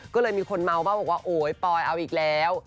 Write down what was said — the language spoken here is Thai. ก็เลยมีคนเมาว่าปอยเอาอีกแล้ว